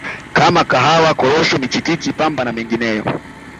kama Kahawa Korosho michikichi Pamba na mengineyo